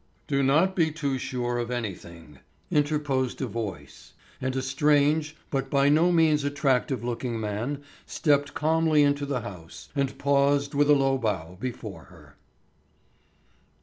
"Do not be too sure of anything!" interposed a voice, and a strange but by no means attractive looking man stepped calmly into the house and paused with a low bow before her.